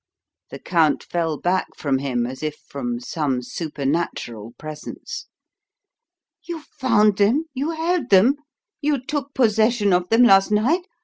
The Count fell back from him as if from some supernatural presence. "You found them? You held them? You took possession of them last night?